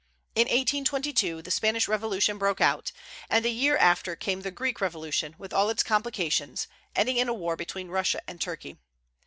In 1822 the Spanish revolution broke out; and a year after came the Greek revolution, with all its complications, ending in a war between Russia and Turkey.